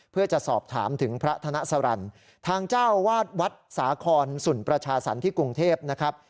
เพื่อจะสอบถามถึงพระธนสรรค์ทางเจ้าวาดวัดสาคอนสุนประชาสรรค์ที่กรุงเทพนะครับ